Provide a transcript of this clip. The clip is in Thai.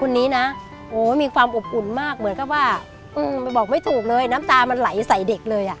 คนนี้นะโอ้มีความอบอุ่นมากเหมือนกับว่าบอกไม่ถูกเลยน้ำตามันไหลใส่เด็กเลยอ่ะ